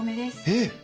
えっ！